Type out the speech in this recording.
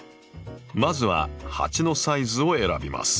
まずは鉢のサイズを選びます。